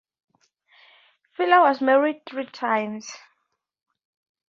Filer was married three times.